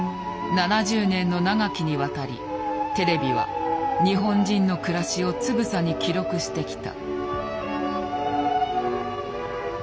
７０年の長きにわたりテレビは日本人のくらしをつぶさに記録してきた。